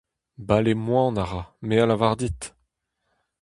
Bale moan a ra, me a lavar dit !